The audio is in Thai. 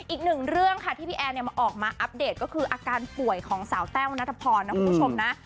อีกหนึ่งเรื่องค่ะที่พี่แอนมาออกมาอัปเดตก็คืออาการป่วยของสาวแต้วนัทพรนะคุณผู้ชมนะ